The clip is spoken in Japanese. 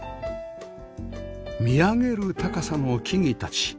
見上げる高さの木々たち